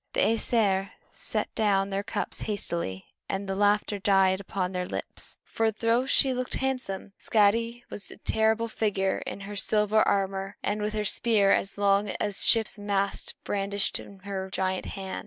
The Æsir set down their cups hastily, and the laughter died upon their lips; for though she looked handsome, Skadi was a terrible figure in her silver armor and with her spear as long as a ship's mast brandished in her giant hand.